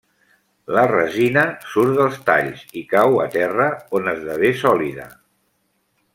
La resina surt dels talls i cau a terra, on esdevé sòlida.